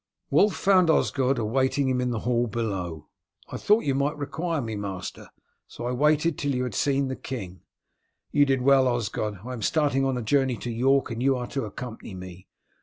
Wulf found Osgod awaiting him in the hall below. "I thought you might require me, master, so I waited till you had seen the king." "You did well, Osgod. I am starting on a journey to York and you are to accompany me.